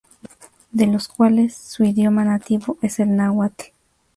De los cuales su idioma nativo es el náhuatl.